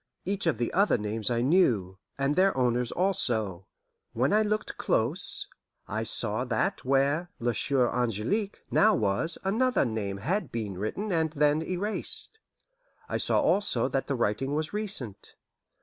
Each of the other names I knew, and their owners also. When I looked close, I saw that where "La Soeur Angelique" now was another name had been written and then erased. I saw also that the writing was recent.